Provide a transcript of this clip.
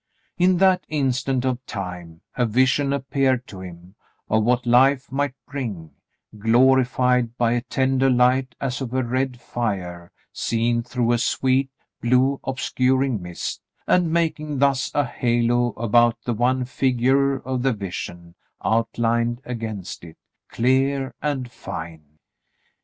In that instant of time, a vision appeared to him of what life might bring, glorified by a tender light as of red fire seen through a sweet, blue, obscuring mist, and making thus a halo about the one figure of the vision outlined against it, clear and fine.